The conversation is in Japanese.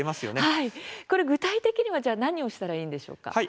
これ具体的にはじゃあ何をしたらいいんでしょうか。